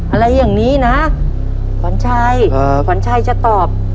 อะไรอย่างนี้นะขวัญชัยจะตอบ